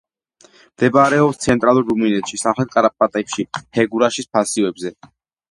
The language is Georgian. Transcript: მდებარეობს ცენტრალურ რუმინეთში, სამხრეთ კარპატებში, ფეგერაშის მასივზე.